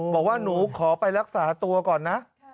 บอกว่าหนูขอไปรักษาตัวก่อนนะ